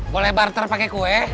boleh barter pakai kue